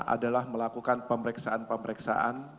adalah melakukan pemeriksaan pemeriksaan